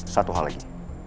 satu hal lagi